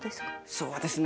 そうですね。